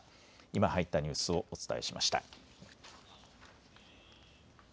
今入ったニュースをお伝えしました。